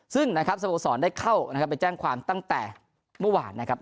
ซึ่งสมสรได้เข้าไปแจ้งความตั้งแต่เมื่อวานนะครับ